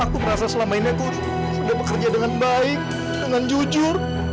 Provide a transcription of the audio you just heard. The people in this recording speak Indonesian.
aku merasa selama ini aku sudah bekerja dengan baik dengan jujur